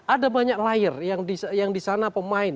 ada banyak layar yang di sana pemain